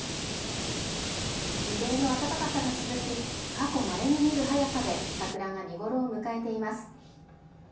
異例の暖かさが続き、過去まれにみる早さで桜が見ごろを迎えています。